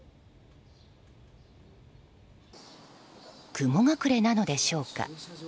雲隠れなのでしょうか。